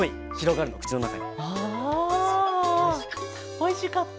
おいしかった。